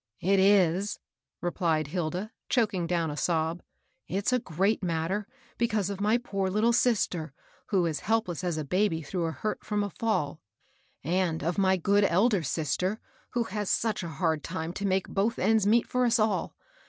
" It is," repUed Hilda, choking down a sob. " It's a great matter, because of my poor little sis ter, who is helpless as a baby through a hurt from a fall ; and of my good elder sister, who has such a hard time to make both ends meet for us all.